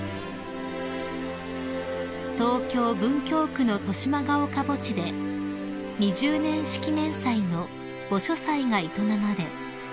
［東京文京区の豊島岡墓地で二十年式年祭の墓所祭が営まれ